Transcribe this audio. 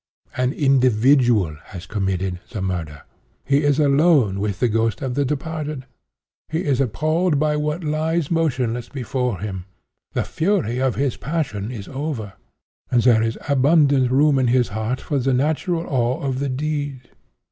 An individual has committed the murder. He is alone with the ghost of the departed. He is appalled by what lies motionless before him. The fury of his passion is over, and there is abundant room in his heart for the natural awe of the deed.